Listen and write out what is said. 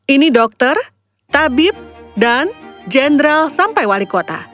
ini dokter tabib dan jenderal sampai wali kota